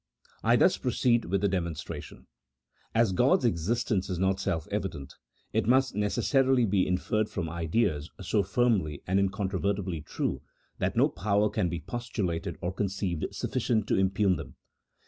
I thus proceed with the demonstration. As God's exis tence is not self evident^it must necessarily be inferred from 1 See Note 6. €HAP. VI.] OF MIRACLES. 85 ideas so firmly and incontrovertibly true, that no power can be postulated or conceived sufficient to impugn them.